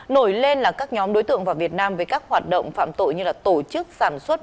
nổi lên là các nhóm đối tượng vào việt nam với các hoạt động phạm tội như tổ chức sản xuất